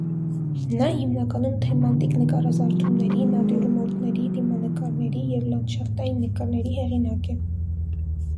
Նա հիմնականում թեմատիկ նկարազարդումների, նատյուրմորտների, դիմանկարների և լանդշաֆտային նկարների հեղինակ է։